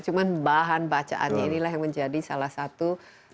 cuma bahan bacaannya inilah yang menjadi salah satu